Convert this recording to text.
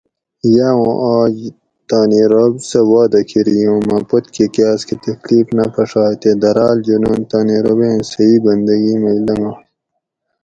یا اُوں آج تانی رب سہ وعدہ کری اوں مہ پتکہ کاسکہ تکلیف نہ پھڛائے تے دراۤل جنون تانی ربیں صحیح بندگی مئی لنگائے